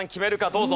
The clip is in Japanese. どうぞ。